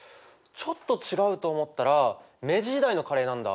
ちょっと違うと思ったら明治時代のカレーなんだ。